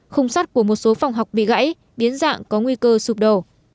khung sắt của một số phòng học bị gãy biến dạng có nguy cơ sụp đổ